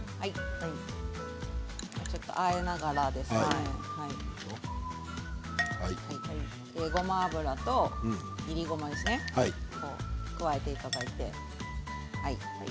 あえながらごま油といりごまを加えていただいて。